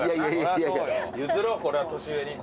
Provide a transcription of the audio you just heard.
これは年上に。